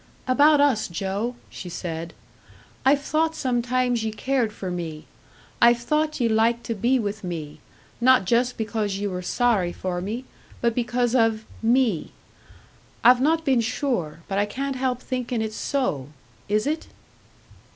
"About us, Joe," she said. "I've thought sometimes ye cared for me. I've thought ye liked to be with me not just because ye were sorry for me, but because of me. I've not been sure, but I can't help thinkin' it's so. Is it?"